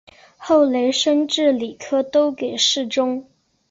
后累升至礼科都给事中。